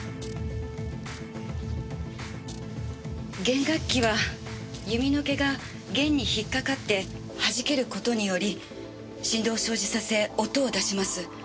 弦楽器は弓の毛が弦に引っ掛かって弾ける事により振動を生じさせ音を出します。